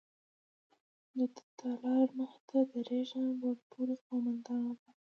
د تالار مخې ته د تېر رژیم لوړ پوړي قوماندان ولاړ وو.